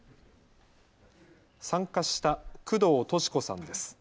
参加した工藤登志子さんです。